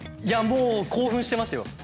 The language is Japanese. いやもう興奮してますよ。